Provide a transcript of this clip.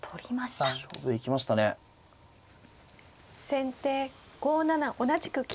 先手５七同じく金。